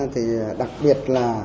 thì đặc biệt là